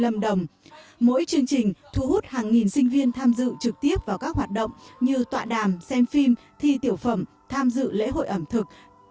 mỗi chương trình thu hút hàng nghìn sinh viên tham dự trực tiếp vào các hoạt động như tọa đàm xem phim thi tiểu phẩm tham dự lễ hội ẩm thực